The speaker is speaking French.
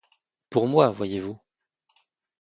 Pour moi, voyez-vous